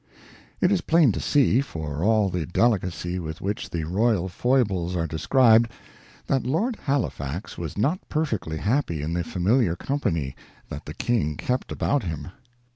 It is plain to see, for all the delicacy with which the Royal foibles are described, that Lord Halifax was not perfectly happy in the familiar company that the King kept about him.